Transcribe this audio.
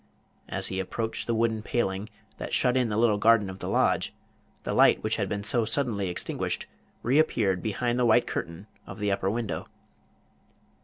As he approached the wooden paling that shut in the little garden of the lodge, the light which had been so suddenly extinguished reappeared behind the white curtain of the upper window.